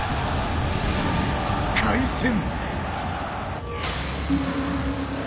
開戦。